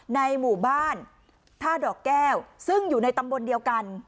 ในหมู่บ้านท่าดอกแก้วซึ่งอยู่ในตำบลเดียวกัน